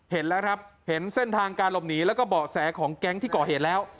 เห็นแล้วครับเห็นเส้นทางการหลบหนีแล้วก็เบาะแสของแก๊งที่ก่อเหตุแล้ว